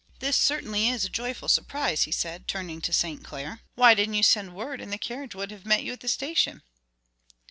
This certainly is a joyful surprise," he said, turning to St. Clair. "Why didn't you send word, and the carriage would have met you at the station?"